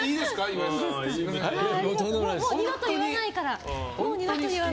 もう二度と言わないから。